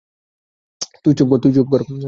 তুই চুপ কর!